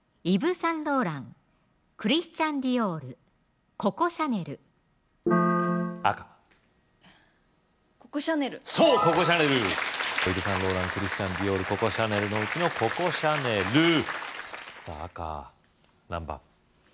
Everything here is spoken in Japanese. サンローランクリスチャン・ディオールココ・シャネルのうちのココ・シャネルさぁ赤何番？